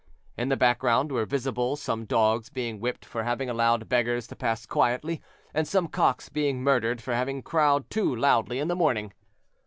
In the background were visible some dogs being whipped for having allowed beggars to pass quietly, and some cocks being murdered for having crowed too loudly in the morning.